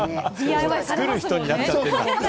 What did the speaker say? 作る人になっちゃってるんだ。